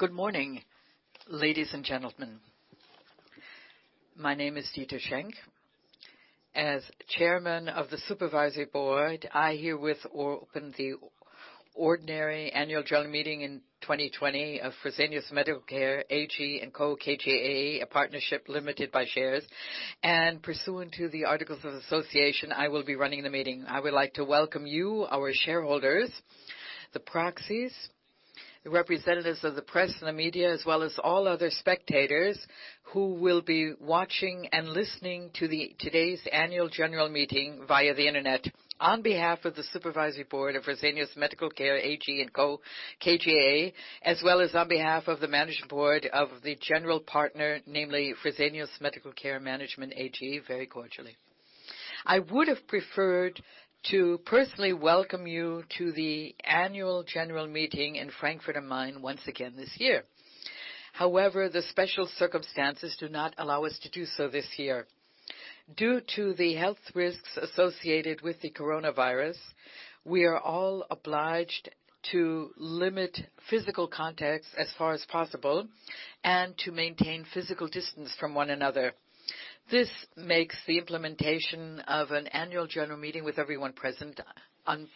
Good morning, ladies and gentlemen. My name is Dieter Schenk. As Chairman of the Supervisory Board, I herewith open the ordinary annual general meeting in 2020 of Fresenius Medical Care AG & Co. KGaA, a partnership limited by shares. Pursuant to the articles of association, I will be running the meeting. I would like to welcome you, our shareholders, the proxies, the representatives of the press and the media, as well as all other spectators who will be watching and listening to today's annual general meeting via the internet, on behalf of the Supervisory Board of Fresenius Medical Care AG & Co. KGaA, as well as on behalf of the Management Board of the General Partner, namely Fresenius Medical Care Management AG, very cordially. I would have preferred to personally welcome you to the annual general meeting in Frankfurt am Main once again this year. However, the special circumstances do not allow us to do so this year. Due to the health risks associated with the coronavirus, we are all obliged to limit physical contact as far as possible, and to maintain physical distance from one another. This makes the implementation of an annual general meeting with everyone present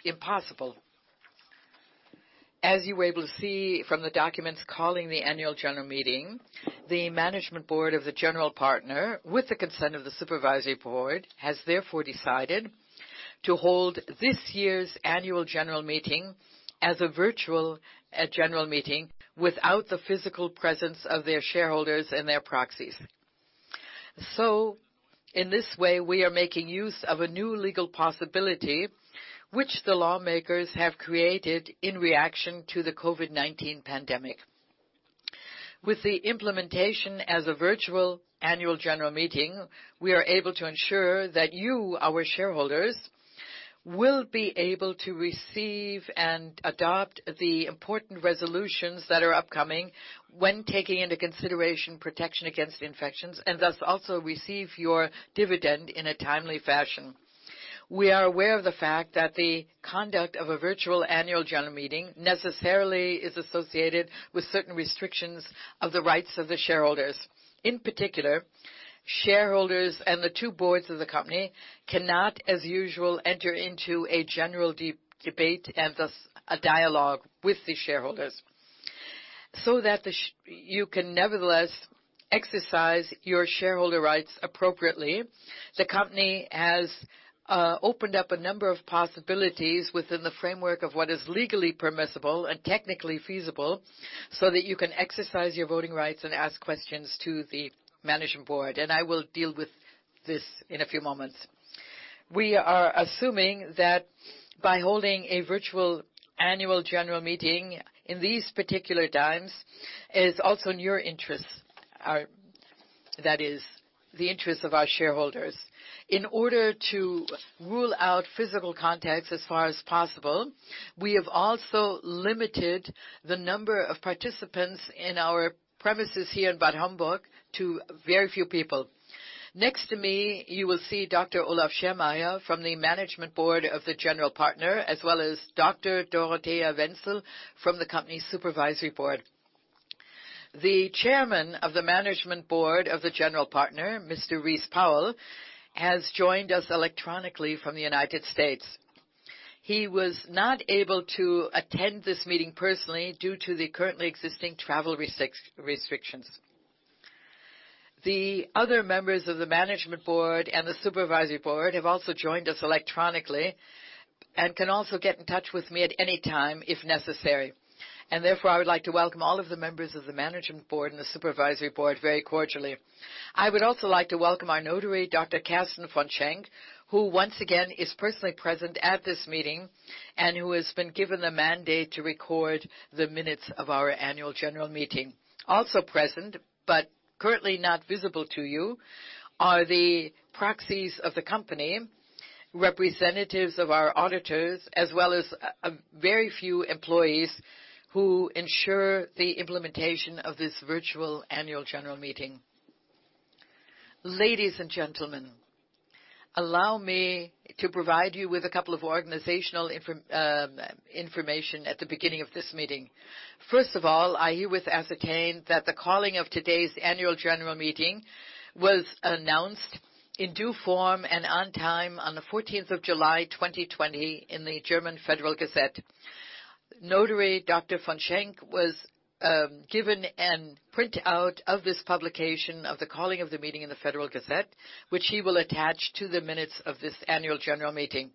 impossible. As you were able to see from the documents calling the annual general meeting, the management board of the general partner, with the consent of the supervisory board, has therefore decided to hold this year's annual general meeting as a virtual general meeting without the physical presence of their shareholders and their proxies. In this way, we are making use of a new legal possibility which the lawmakers have created in reaction to the COVID-19 pandemic. With the implementation as a virtual Annual General Meeting, we are able to ensure that you, our shareholders, will be able to receive and adopt the important resolutions that are upcoming when taking into consideration protection against infections, and thus also receive your dividend in a timely fashion. We are aware of the fact that the conduct of a virtual Annual General Meeting necessarily is associated with certain restrictions of the rights of the shareholders. In particular, shareholders and the two boards of the company cannot, as usual, enter into a general debate and thus a dialogue with the shareholders. That you can nevertheless exercise your shareholder rights appropriately, the company has opened up a number of possibilities within the framework of what is legally permissible and technically feasible so that you can exercise your voting rights and ask questions to the management board. I will deal with this in a few moments. We are assuming that by holding a virtual annual general meeting in these particular times is also in your interests. That is the interest of our shareholders. In order to rule out physical contact as far as possible, we have also limited the number of participants in our premises here in Bad Homburg to very few people. Next to me, you will see Dr. Olaf Schermeier from the Management Board of the general partner, as well as Dr. Dorothea Wenzel from the company Supervisory Board. The Chairman of the Management Board of the general partner, Mr. Rice Powell, has joined us electronically from the U.S. He was not able to attend this meeting personally due to the currently existing travel restrictions. Therefore, I would like to welcome all of the members of the management board and the supervisory board very cordially. I would also like to welcome our notary, Dr. Carsten von Schenck, who once again is personally present at this meeting and who has been given the mandate to record the minutes of our annual general meeting. Also present, but currently not visible to you, are the proxies of the company, representatives of our auditors, as well as a very few employees who ensure the implementation of this virtual annual general meeting. Ladies and gentlemen, allow me to provide you with a couple of organizational information at the beginning of this meeting. First of all, I herewith ascertain that the calling of today's annual general meeting was announced in due form and on time on the 14th of July 2020 in the German Federal Gazette. Notary Dr. von Schenck was given an printout of this publication of the calling of the meeting in the Federal Gazette, which he will attach to the minutes of this annual general meeting.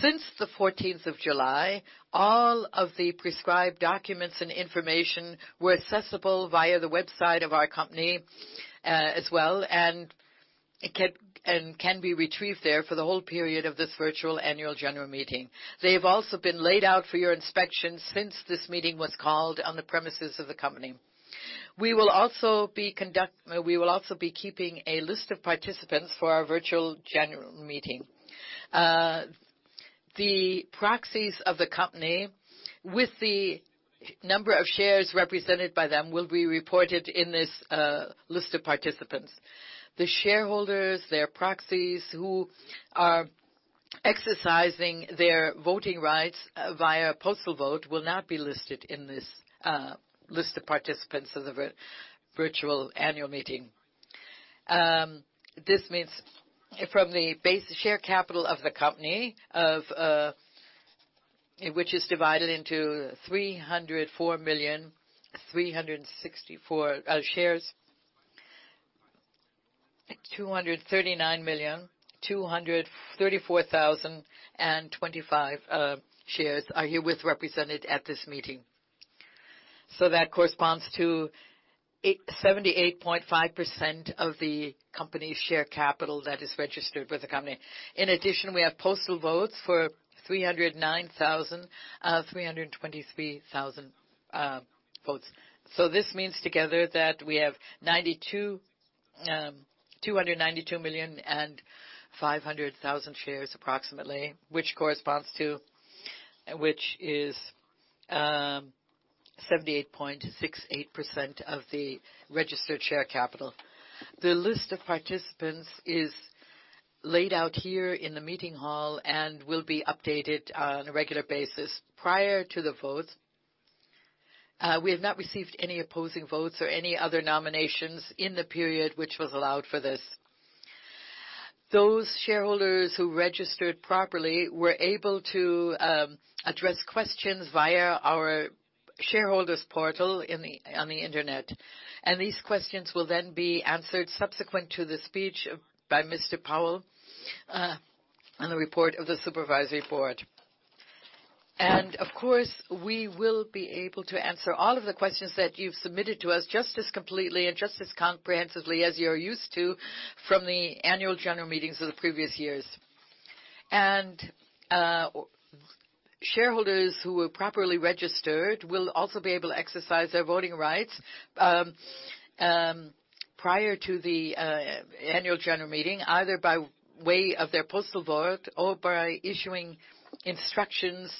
Since the 14th of July, all of the prescribed documents and information were accessible via the website of our company as well, and can be retrieved there for the whole period of this virtual annual general meeting. They have also been laid out for your inspection since this meeting was called on the premises of the company. We will also be keeping a list of participants for our virtual general meeting. The proxies of the company with the number of shares represented by them will be reported in this list of participants. The shareholders, their proxies who are exercising their voting rights via postal vote will not be listed in this list of participants of the virtual annual meeting. This means from the base share capital of the company, which is divided into 304,364,000 shares, 239,234,025 shares are herewith represented at this meeting. That corresponds to 78.5% of the company's share capital that is registered with the company. In addition, we have postal votes for 309,323 votes. This means together that we have 239,500,000 shares approximately, which is 78.68% of the registered share capital. The list of participants is laid out here in the meeting hall and will be updated on a regular basis. Prior to the votes, we have not received any opposing votes or any other nominations in the period, which was allowed for this. Those shareholders who registered properly were able to address questions via our shareholders portal on the internet. These questions will then be answered subsequent to the speech by Mr. Powell, on the report of the supervisory board. Of course, we will be able to answer all of the questions that you've submitted to us just as completely and just as comprehensively as you're used to from the annual general meetings of the previous years. Shareholders who were properly registered will also be able to exercise their voting rights prior to the annual general meeting, either by way of their postal vote or by issuing instructions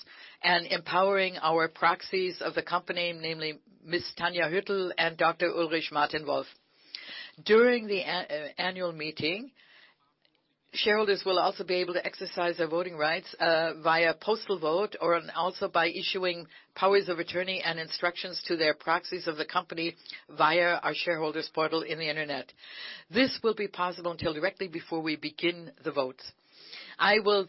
and empowering our proxies of the company, namely Ms. Tanja Hüttl and Dr. Ulrich Martin Wolf. During the annual meeting, shareholders will also be able to exercise their voting rights via postal vote or also by issuing powers of attorney and instructions to their proxies of the company via our shareholders portal in the internet. This will be possible until directly before we begin the votes. I will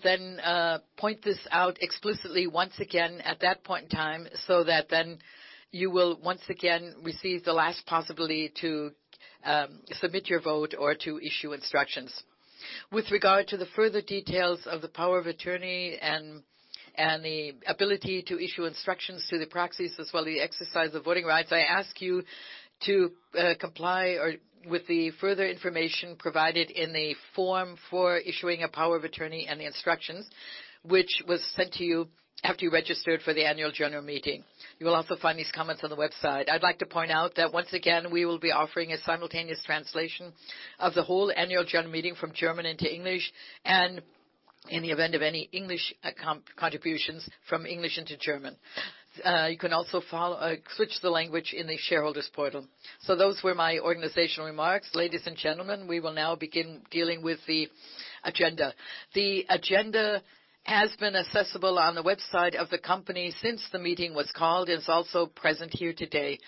point this out explicitly once again at that point in time, so that then you will once again receive the last possibility to submit your vote or to issue instructions. With regard to the further details of the power of attorney and the ability to issue instructions to the proxies as well as the exercise of voting rights, I ask you to comply or with the further information provided in the form for issuing a power of attorney and the instructions, which was sent to you after you registered for the Annual General Meeting. You will also find these comments on the website. I'd like to point out that once again, we will be offering a simultaneous translation of the whole annual general meeting from German into English, and in the event of any English contributions, from English into German. You can also switch the language in the shareholders portal. Those were my organizational remarks. Ladies and gentlemen, we will now begin dealing with the agenda. The agenda has been accessible on the website of the company since the meeting was called and is also present here today.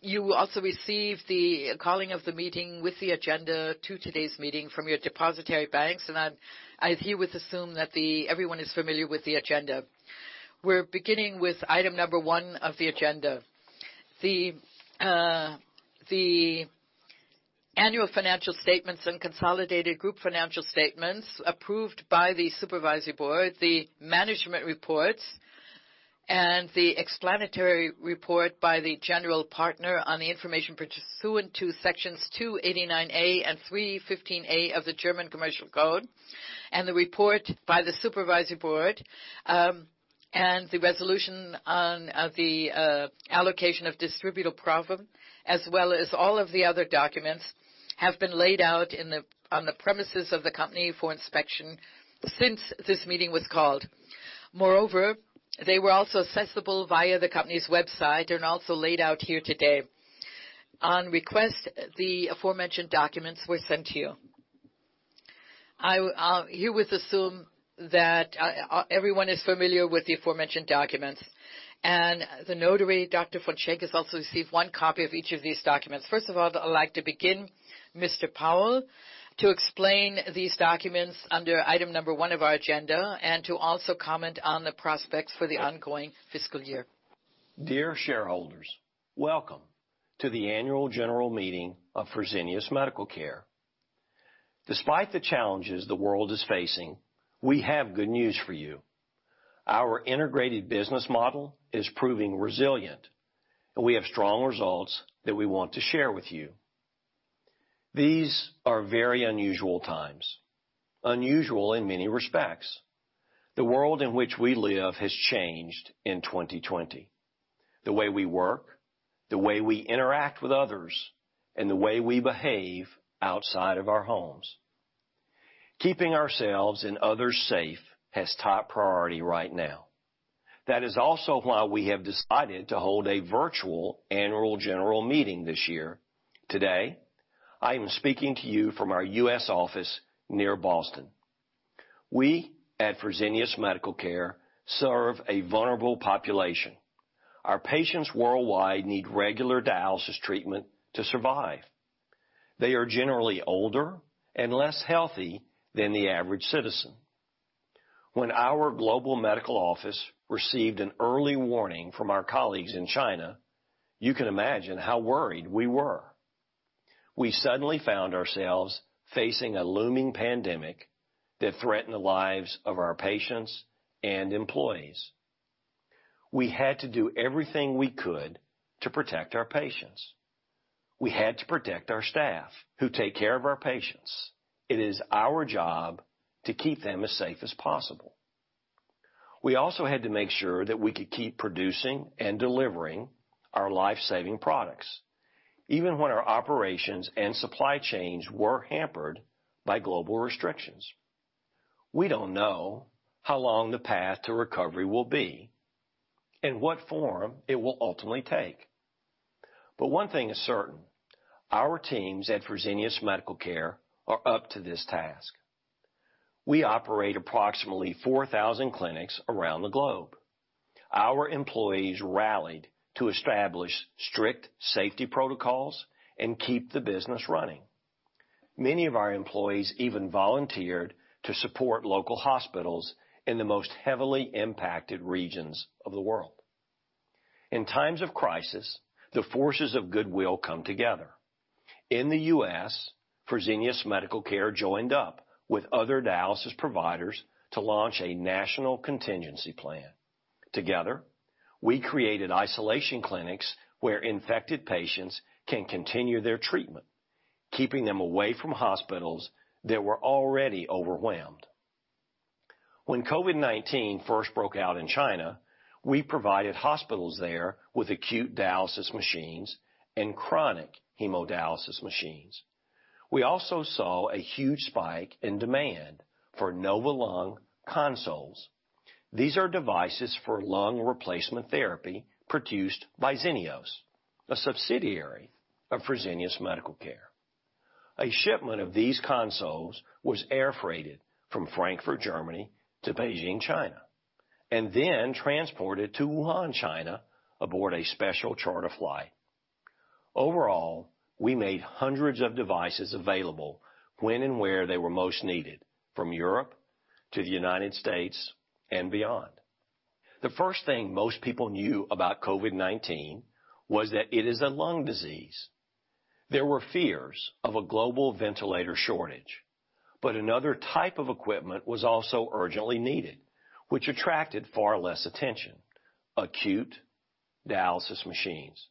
You will also receive the calling of the meeting with the agenda to today's meeting from your depositary banks, and I herewith assume that everyone is familiar with the agenda. We're beginning with item number one of the agenda. The annual financial statements and consolidated group financial statements approved by the supervisory board, the management reports, and the explanatory report by the general partner on the information pursuant to Sections 289a and 315a of the German Commercial Code, and the report by the supervisory board, and the resolution on the allocation of distributable profit, as well as all of the other documents, have been laid out on the premises of the company for inspection since this meeting was called. They were also accessible via the company's website and also laid out here today. On request, the aforementioned documents were sent to you. I herewith assume that everyone is familiar with the aforementioned documents. The notary, Dr. von Schenck, has also received one copy of each of these documents. First of all, I'd like to begin Mr. Powell to explain these documents under item number one of our agenda and to also comment on the prospects for the ongoing fiscal year. Dear shareholders, welcome to the Annual General Meeting of Fresenius Medical Care. Despite the challenges the world is facing, we have good news for you. Our integrated business model is proving resilient, and we have strong results that we want to share with you. These are very unusual times, unusual in many respects. The world in which we live has changed in 2020. The way we work, the way we interact with others, and the way we behave outside of our homes. Keeping ourselves and others safe has top priority right now. That is also why we have decided to hold a virtual Annual General Meeting this year. Today, I am speaking to you from our U.S. office near Boston. We at Fresenius Medical Care serve a vulnerable population. Our patients worldwide need regular dialysis treatment to survive. They are generally older and less healthy than the average citizen. When our global medical office received an early warning from our colleagues in China, you can imagine how worried we were. We suddenly found ourselves facing a looming pandemic that threatened the lives of our patients and employees. We had to do everything we could to protect our patients. We had to protect our staff who take care of our patients. It is our job to keep them as safe as possible. We also had to make sure that we could keep producing and delivering our life-saving products, even when our operations and supply chains were hampered by global restrictions. We don't know how long the path to recovery will be and what form it will ultimately take, but one thing is certain, our teams at Fresenius Medical Care are up to this task. We operate approximately 4,000 clinics around the globe. Our employees rallied to establish strict safety protocols and keep the business running. Many of our employees even volunteered to support local hospitals in the most heavily impacted regions of the world. In times of crisis, the forces of goodwill come together. In the U.S., Fresenius Medical Care joined up with other dialysis providers to launch a national contingency plan. Together, we created isolation clinics where infected patients can continue their treatment, keeping them away from hospitals that were already overwhelmed. When COVID-19 first broke out in China, we provided hospitals there with acute dialysis machines and chronic hemodialysis machines. We also saw a huge spike in demand for Novalung consoles. These are devices for lung replacement therapy produced by Xenios, a subsidiary of Fresenius Medical Care. A shipment of these consoles was air freighted from Frankfurt, Germany to Beijing, China, and then transported to Wuhan, China aboard a special charter flight. Overall, we made hundreds of devices available when and where they were most needed, from Europe to the United States and beyond. The first thing most people knew about COVID-19 was that it is a lung disease. There were fears of a global ventilator shortage, another type of equipment was also urgently needed, which attracted far less attention, acute dialysis machines.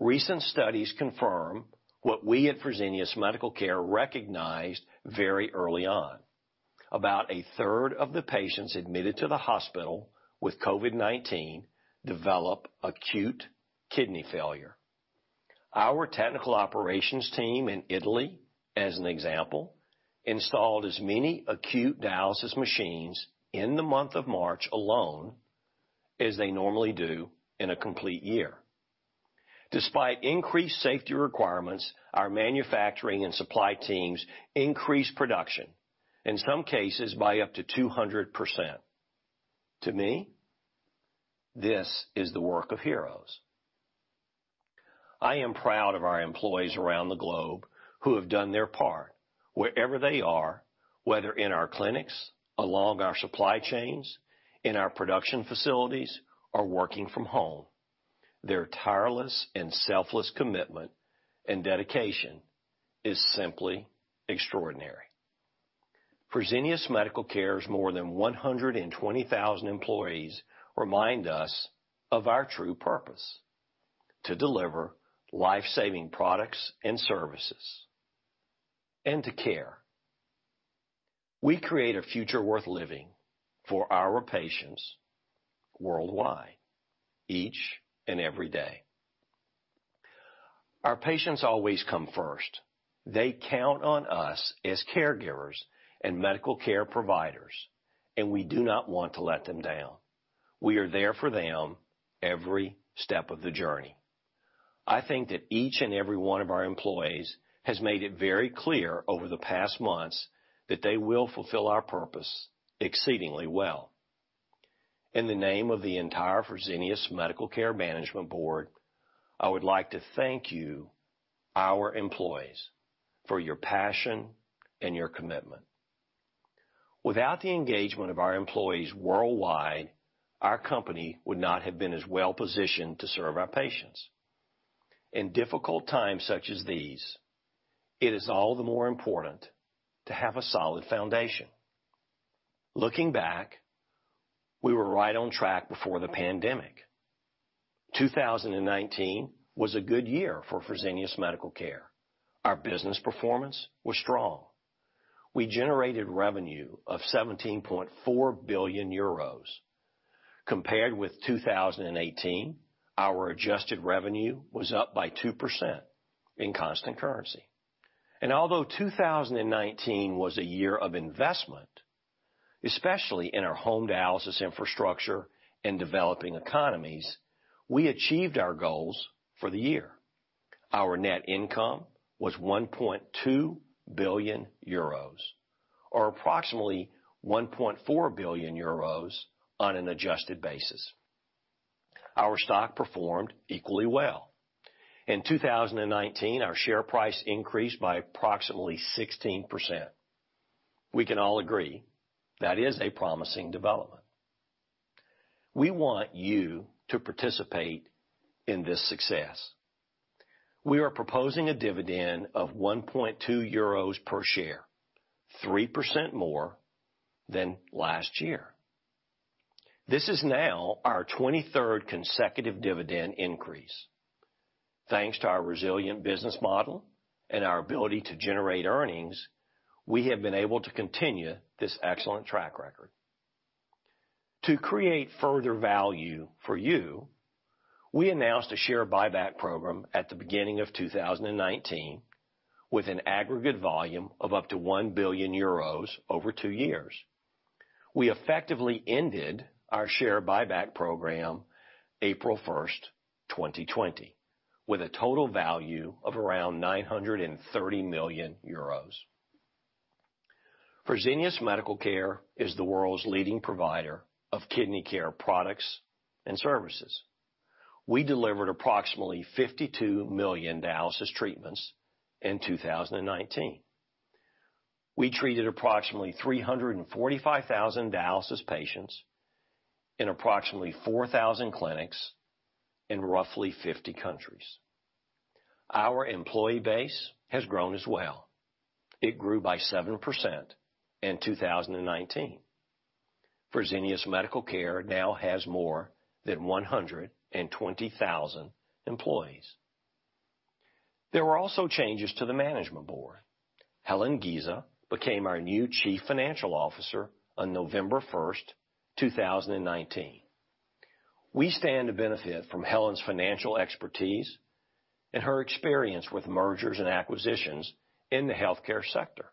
Recent studies confirm what we at Fresenius Medical Care recognized very early on. About a third of the patients admitted to the hospital with COVID-19 develop acute kidney failure. Our technical operations team in Italy, as an example, installed as many acute dialysis machines in the month of March alone as they normally do in a complete year. Despite increased safety requirements, our manufacturing and supply teams increased production, in some cases by up to 200%. To me, this is the work of heroes. I am proud of our employees around the globe who have done their part wherever they are, whether in our clinics, along our supply chains, in our production facilities, or working from home. Their tireless and selfless commitment and dedication is simply extraordinary. Fresenius Medical Care's more than 120,000 employees remind us of our true purpose, to deliver life-saving products and services and to care. We create a future worth living for our patients worldwide each and every day. Our patients always come first. They count on us as caregivers and medical care providers, and we do not want to let them down. We are there for them every step of the journey. I think that each and every one of our employees has made it very clear over the past months that they will fulfill our purpose exceedingly well. In the name of the entire Fresenius Medical Care management board, I would like to thank you, our employees, for your passion and your commitment. Without the engagement of our employees worldwide, our company would not have been as well positioned to serve our patients. In difficult times such as these, it is all the more important to have a solid foundation. Looking back, we were right on track before the pandemic. 2019 was a good year for Fresenius Medical Care. Our business performance was strong. We generated revenue of 17.4 billion euros. Compared with 2018, our adjusted revenue was up by 2% in constant currency. Although 2019 was a year of investment, especially in our home dialysis infrastructure and developing economies, we achieved our goals for the year. Our net income was 1.2 billion euros, or approximately 1.4 billion euros on an adjusted basis. Our stock performed equally well. In 2019, our share price increased by approximately 16%. We can all agree that is a promising development. We want you to participate in this success. We are proposing a dividend of 1.2 euros per share, 3% more than last year. This is now our 23 third consecutive dividend increase. Thanks to our resilient business model and our ability to generate earnings, we have been able to continue this excellent track record. To create further value for you, we announced a share buyback program at the beginning of 2019 with an aggregate volume of up to 1 billion euros over two years. We effectively ended our share buyback program 1st April, 2020, with a total value of around 930 million euros. Fresenius Medical Care is the world's leading provider of kidney care products and services. We delivered approximately 52 million dialysis treatments in 2019. We treated approximately 345,000 dialysis patients in approximately 4,000 clinics in roughly 50 countries. Our employee base has grown as well. It grew by 7% in 2019. Fresenius Medical Care now has more than 120,000 employees. There were also changes to the Management Board. Helen Giza became our new Chief Financial Officer on November 1st, 2019. We stand to benefit from Helen's financial expertise and her experience with mergers and acquisitions in the healthcare sector.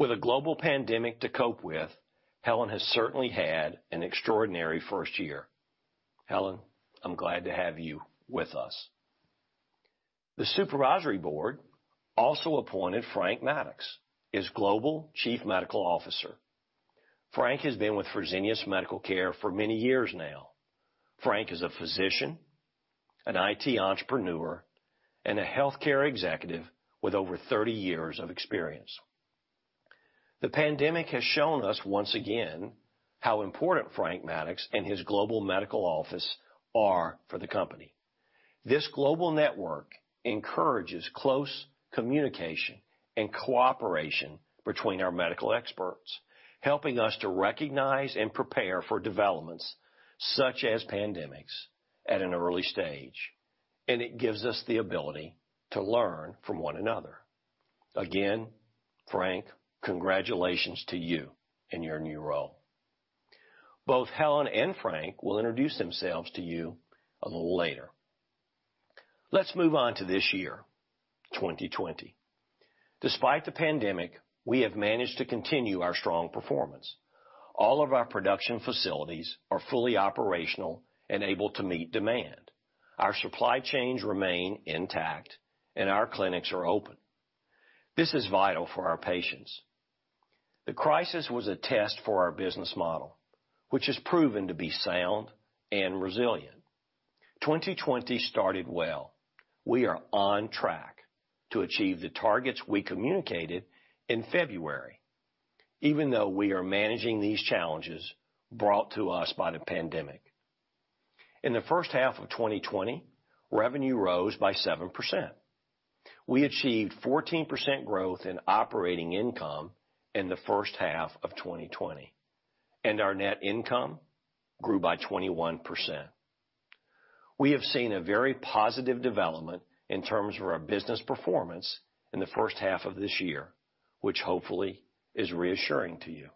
With a global pandemic to cope with, Helen has certainly had an extraordinary first year. Helen, I'm glad to have you with us. The Supervisory Board also appointed Frank Maddux as Global Chief Medical Officer. Frank has been with Fresenius Medical Care for many years now. Frank is a physician, an IT entrepreneur, and a healthcare executive with over 30 years of experience. The pandemic has shown us once again how important Frank Maddux and his Global Medical Office are for the company. This global network encourages close communication and cooperation between our medical experts, helping us to recognize and prepare for developments such as pandemics at an early stage. It gives us the ability to learn from one another. Again, Frank, congratulations to you in your new role. Both Helen and Frank will introduce themselves to you a little later. Let's move on to this year, 2020. Despite the pandemic, we have managed to continue our strong performance. All of our production facilities are fully operational and able to meet demand. Our supply chains remain intact, and our clinics are open. This is vital for our patients. The crisis was a test for our business model, which has proven to be sound and resilient. 2020 started well. We are on track to achieve the targets we communicated in February, even though we are managing these challenges brought to us by the pandemic. In the first half of 2020, revenue rose by 7%. We achieved 14% growth in operating income in the first half of 2020, and our net income grew by 21%. We have seen a very positive development in terms of our business performance in the first half of this year, which hopefully is reassuring to you.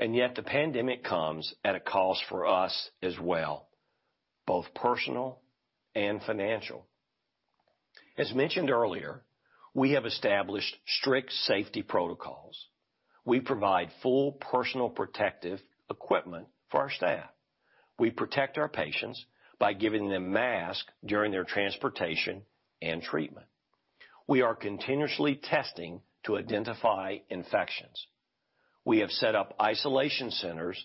Yet, the pandemic comes at a cost for us as well, both personal and financial. As mentioned earlier, we have established strict safety protocols. We provide full personal protective equipment for our staff. We protect our patients by giving them masks during their transportation and treatment. We are continuously testing to identify infections. We have set up isolation centers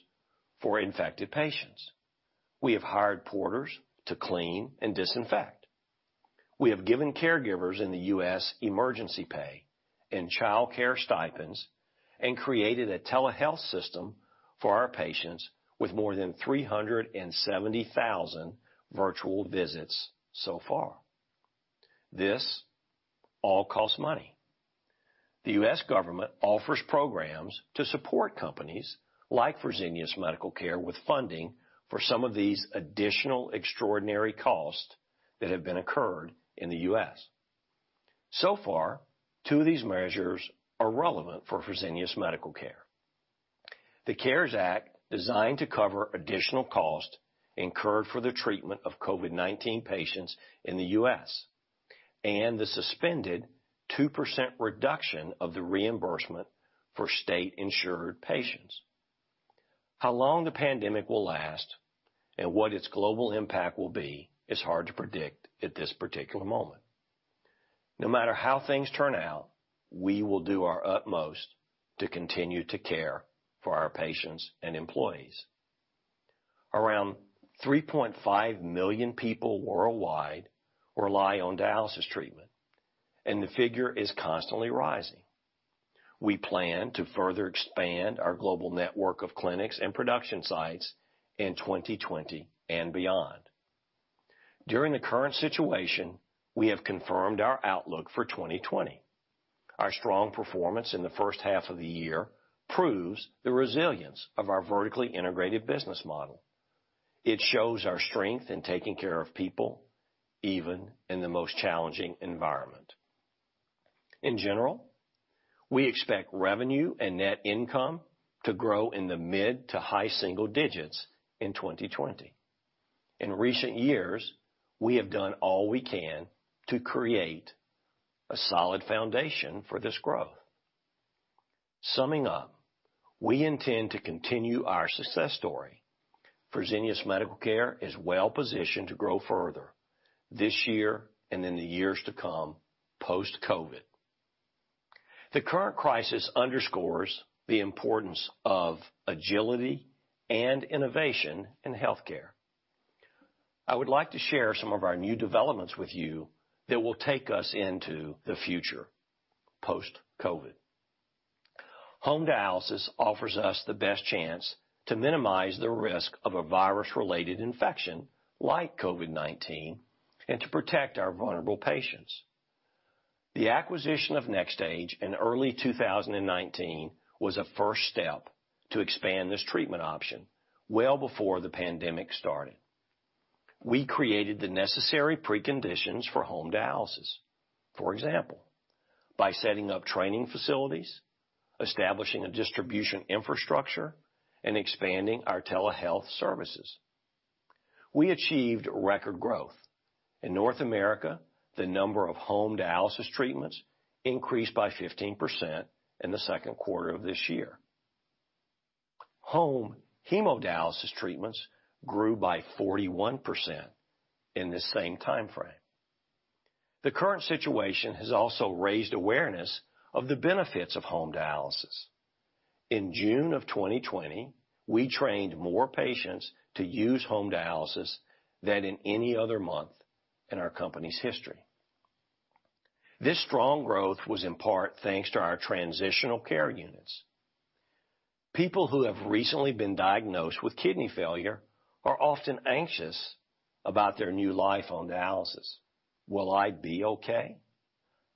for infected patients. We have hired porters to clean and disinfect. We have given caregivers in the U.S. emergency pay and childcare stipends and created a telehealth system for our patients with more than 370,000 virtual visits so far. This all costs money. The U.S. government offers programs to support companies like Fresenius Medical Care with funding for some of these additional extraordinary costs that have been incurred in the U.S. Far, two of these measures are relevant for Fresenius Medical Care. The CARES Act, designed to cover additional cost incurred for the treatment of COVID-19 patients in the U.S., and the suspended 2% reduction of the reimbursement for state-insured patients. How long the pandemic will last and what its global impact will be is hard to predict at this particular moment. No matter how things turn out, we will do our utmost to continue to care for our patients and employees. Around 3.5 million people worldwide rely on dialysis treatment, and the figure is constantly rising. We plan to further expand our global network of clinics and production sites in 2020 and beyond. During the current situation, we have confirmed our outlook for 2020. Our strong performance in the first half of the year proves the resilience of our vertically integrated business model. It shows our strength in taking care of people, even in the most challenging environment. In general, we expect revenue and net income to grow in the mid to high single digits in 2020. In recent years, we have done all we can to create a solid foundation for this growth. Summing up, we intend to continue our success story. Fresenius Medical Care is well-positioned to grow further this year and in the years to come, post-COVID. The current crisis underscores the importance of agility and innovation in healthcare. I would like to share some of our new developments with you that will take us into the future, post-COVID. Home dialysis offers us the best chance to minimize the risk of a virus-related infection like COVID-19 and to protect our vulnerable patients. The acquisition of NxStage in early 2019 was a first step to expand this treatment option, well before the pandemic started. We created the necessary preconditions for home dialysis. For example, by setting up training facilities, establishing a distribution infrastructure, and expanding our telehealth services. We achieved record growth. In North America, the number of home dialysis treatments increased by 15% in the second quarter of this year. Home hemodialysis treatments grew by 41% in the same timeframe. The current situation has also raised awareness of the benefits of home dialysis. In June of 2020, we trained more patients to use home dialysis than in any other month in our company's history. This strong growth was in part thanks to our transitional care units. People who have recently been diagnosed with kidney failure are often anxious about their new life on dialysis. Will I be okay?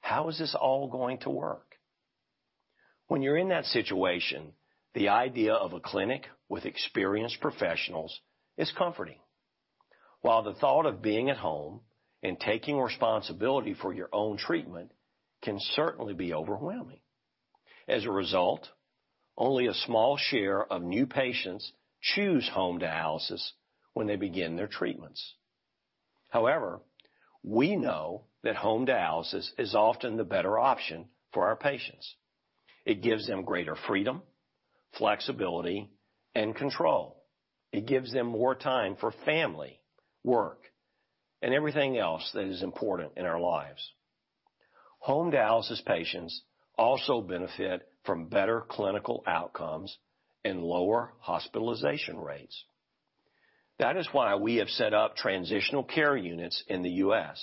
How is this all going to work? When you're in that situation, the idea of a clinic with experienced professionals is comforting. While the thought of being at home and taking responsibility for your own treatment can certainly be overwhelming. As a result, only a small share of new patients choose home dialysis when they begin their treatments. However, we know that home dialysis is often the better option for our patients. It gives them greater freedom, flexibility, and control. It gives them more time for family, work, and everything else that is important in our lives. Home dialysis patients also benefit from better clinical outcomes and lower hospitalization rates. That is why we have set up transitional care units in the U.S.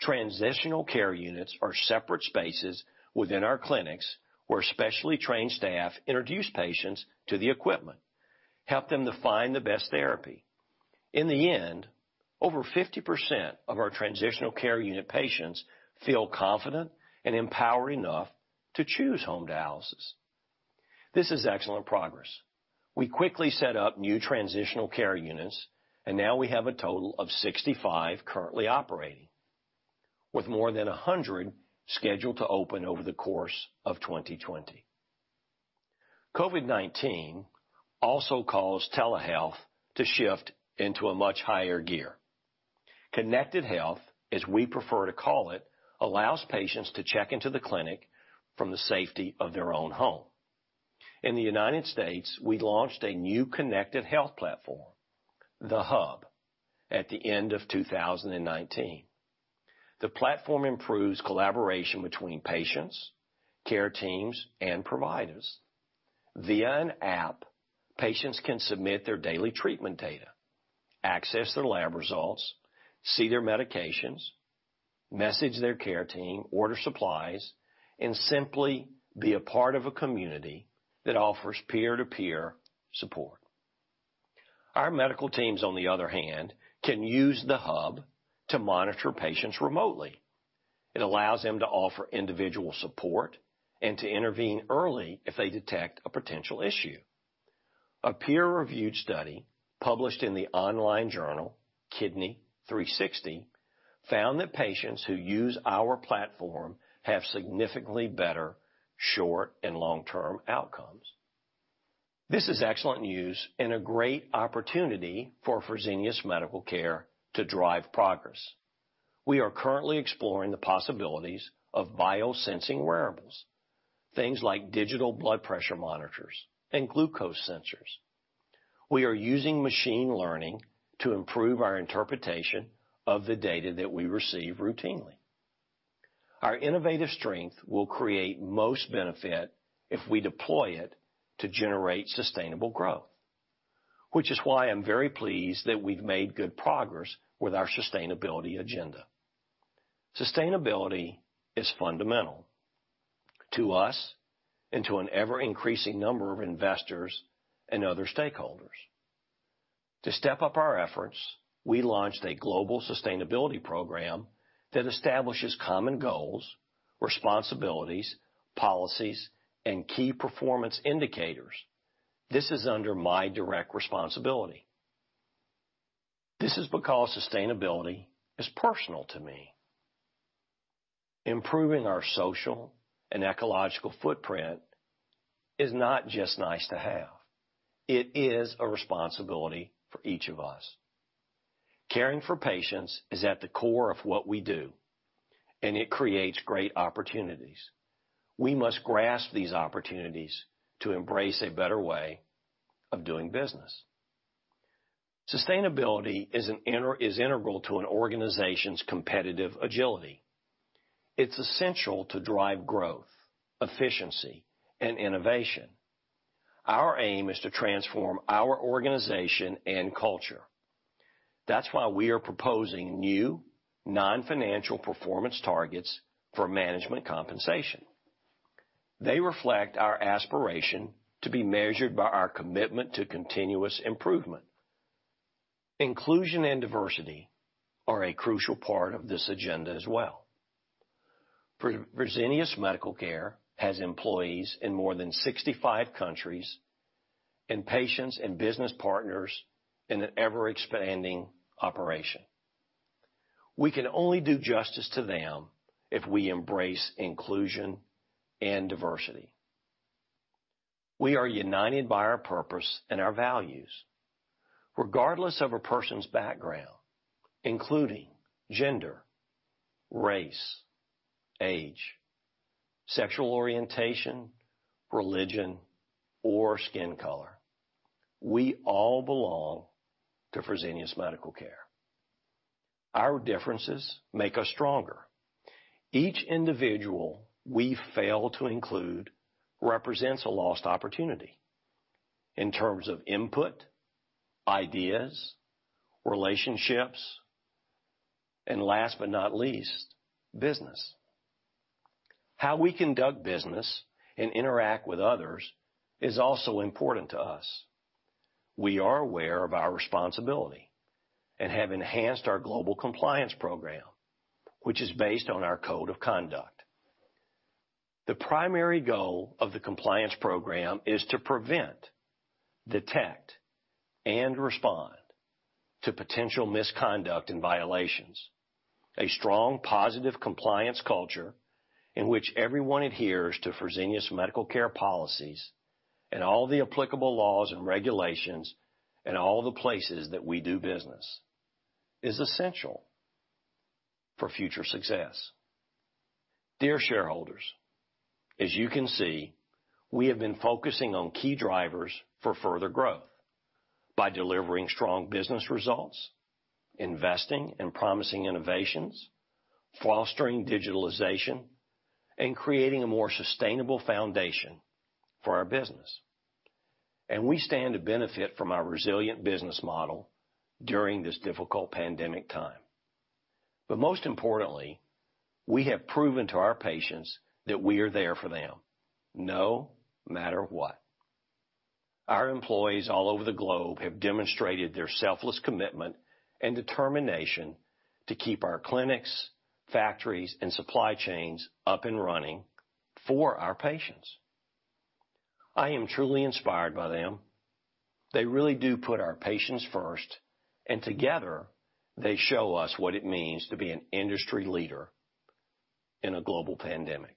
Transitional care units are separate spaces within our clinics, where specially trained staff introduce patients to the equipment, help them to find the best therapy. In the end, over 50% of our transitional care unit patients feel confident and empowered enough to choose home dialysis. This is excellent progress. We quickly set up new transitional care units, and now we have a total of 65 currently operating, with more than 100 scheduled to open over the course of 2020. COVID-19 also caused telehealth to shift into a much higher gear. Connected health, as we prefer to call it, allows patients to check into the clinic from the safety of their own home. In the U.S., we launched a new connected health platform, TheHub, at the end of 2019. The platform improves collaboration between patients, care teams, and providers. Via an app, patients can submit their daily treatment data, access their lab results, see their medications, message their care team, order supplies, and simply be a part of a community that offers peer-to-peer support. Our medical teams, on the other hand, can use TheHub to monitor patients remotely. It allows them to offer individual support and to intervene early if they detect a potential issue. A peer-reviewed study published in the online journal Kidney360 found that patients who use our platform have significantly better short and long-term outcomes. This is excellent news and a great opportunity for Fresenius Medical Care to drive progress. We are currently exploring the possibilities of biosensing wearables, things like digital blood pressure monitors and glucose sensors. We are using machine learning to improve our interpretation of the data that we receive routinely. Our innovative strength will create most benefit if we deploy it to generate sustainable growth. Which is why I'm very pleased that we've made good progress with our sustainability agenda. Sustainability is fundamental to us and to an ever-increasing number of investors and other stakeholders. To step up our efforts, we launched a global sustainability program that establishes common goals, responsibilities, policies, and key performance indicators. This is under my direct responsibility. This is because sustainability is personal to me. Improving our social and ecological footprint is not just nice to have. It is a responsibility for each of us. Caring for patients is at the core of what we do, and it creates great opportunities. We must grasp these opportunities to embrace a better way of doing business. Sustainability is integral to an organization's competitive agility. It's essential to drive growth, efficiency, and innovation. Our aim is to transform our organization and culture. That's why we are proposing new non-financial performance targets for management compensation. They reflect our aspiration to be measured by our commitment to continuous improvement. Inclusion and diversity are a crucial part of this agenda as well. Fresenius Medical Care has employees in more than 65 countries, and patients and business partners in an ever-expanding operation. We can only do justice to them if we embrace inclusion and diversity. We are united by our purpose and our values, regardless of a person's background, including gender, race, age, sexual orientation, religion, or skin color. We all belong to Fresenius Medical Care. Our differences make us stronger. Each individual we fail to include represents a lost opportunity in terms of input, ideas, relationships, and last but not least, business. How we conduct business and interact with others is also important to us. We are aware of our responsibility and have enhanced our global compliance program, which is based on our code of conduct. The primary goal of the compliance program is to prevent, detect, and respond to potential misconduct and violations. A strong, positive compliance culture in which everyone adheres to Fresenius Medical Care policies and all the applicable laws and regulations in all the places that we do business is essential for future success. Dear shareholders, as you can see, we have been focusing on key drivers for further growth by delivering strong business results, investing in promising innovations, fostering digitalization, and creating a more sustainable foundation for our business. We stand to benefit from our resilient business model during this difficult pandemic time. Most importantly, we have proven to our patients that we are there for them, no matter what. Our employees all over the globe have demonstrated their selfless commitment and determination to keep our clinics, factories, and supply chains up and running for our patients. I am truly inspired by them. They really do put our patients first, and together they show us what it means to be an industry leader in a global pandemic.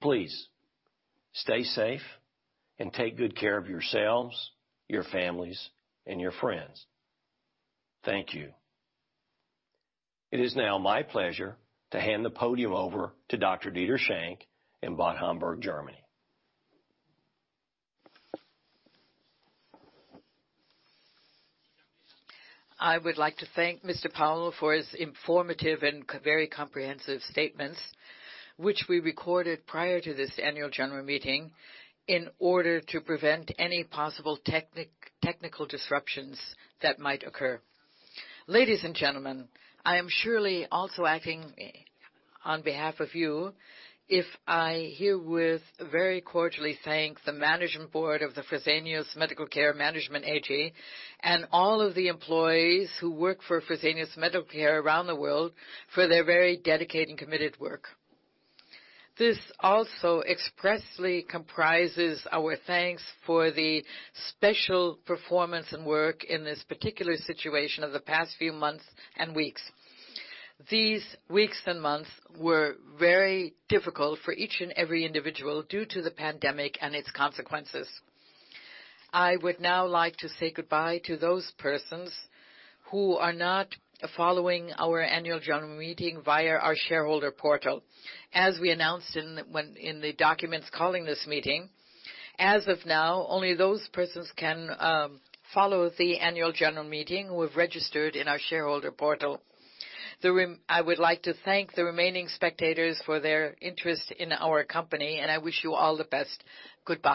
Please stay safe and take good care of yourselves, your families, and your friends. Thank you. It is now my pleasure to hand the podium over to Dr. Dieter Schenk in Bad Homburg, Germany. I would like to thank Mr. Powell for his informative and very comprehensive statements, which we recorded prior to this Annual General Meeting in order to prevent any possible technical disruptions that might occur. Ladies and gentlemen, I am surely also acting on behalf of you if I herewith very cordially thank the management board of the Fresenius Medical Care Management AG and all of the employees who work for Fresenius Medical Care around the world for their very dedicated and committed work. This also expressly comprises our thanks for the special performance and work in this particular situation of the past few months and weeks. These weeks and months were very difficult for each and every individual due to the pandemic and its consequences. I would now like to say goodbye to those persons who are not following our Annual General Meeting via our shareholder portal. As we announced in the documents calling this meeting, as of now, only those persons can follow the Annual General Meeting who have registered in our shareholder portal. I would like to thank the remaining spectators for their interest in our company, I wish you all the best. Goodbye.